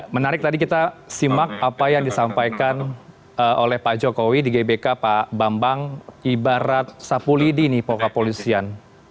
menarik tadi kita simak apa yang disampaikan oleh pak jokowi di gbk pak bambang ibarat sapulidini kepolisian